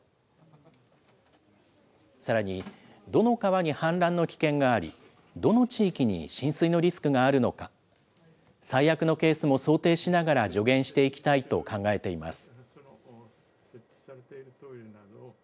さらに、どの川に氾濫の危険があり、どの地域に浸水のリスクがあるのか、最悪のケースも想定しながら助言していきたいと考えています。